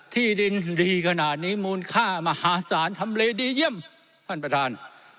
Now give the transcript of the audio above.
ที่ดินดีขนาดนี้มูลค่ามหาศาลทำเลดีเยี่ยมท่านประธาน